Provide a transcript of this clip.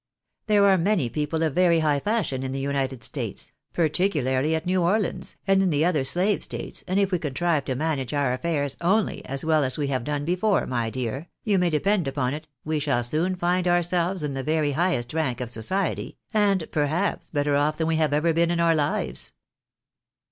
There are many people of very high fashion in the United States, particularly at New Orleans, and in the other slave states, and if we contrive to manage our affairs only as weU as we have done before, my dear, you may depend upon it we shall soon find ourselves in the very highest rank ol society, and perhaps better off than we have ever been in our lives."